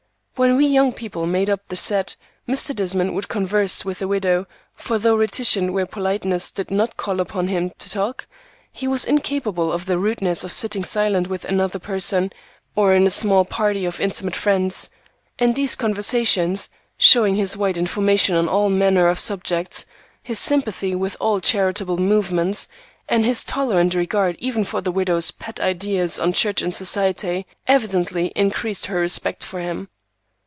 When we young people made up the set, Mr. Desmond would converse with the widow, for though reticent where politeness did not call upon him to talk, he was incapable of the rudeness of sitting silent with one other person, or in a small party of intimate friends; and these conversations, showing his wide information on all manner of subjects, his sympathy with all charitable movements, and his tolerant regard even for the widow's pet ideas on church and society, evidently increased her respect for him.